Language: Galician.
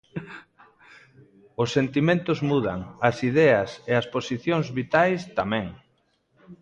Os sentimentos mudan, as ideas e as posicións vitais tamén.